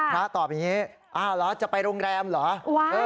ตอบอย่างนี้อ้าวเหรอจะไปโรงแรมเหรอ